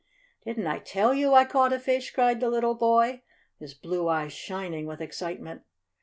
"Didn't I tell you I caught a fish?" cried the little boy, his blue eyes shining with excitement.